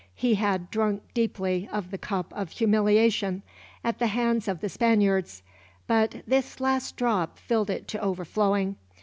He had drunk deeply of the cup of humiliation, at the hands of the Spaniards; but this last drop filled it to overflowing.